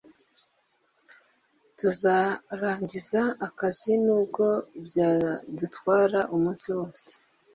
tuzarangiza akazi nubwo byadutwara umunsi wose